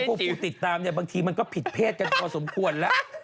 ผู้ติดตามเนี่ยบางทีมันก็ผิดเพศกันพอสมควรแล้ว